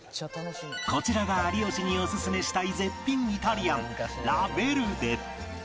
こちらが有吉にオススメしたい絶品イタリアンラ・ヴェルデ